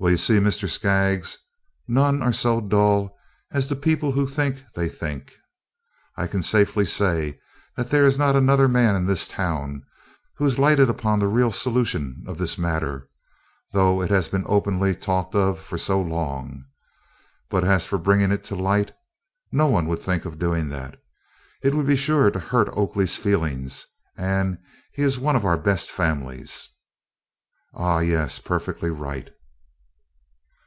"Well, you see, Mr. Skaggs, none are so dull as the people who think they think. I can safely say that there is not another man in this town who has lighted upon the real solution of this matter, though it has been openly talked of for so long. But as for bringing it to light, no one would think of doing that. It would be sure to hurt Oakley's feelings, and he is of one of our best families." "Ah, yes, perfectly right."